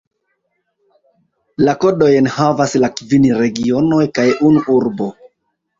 La kodojn havas la kvin regionoj kaj unu urbo.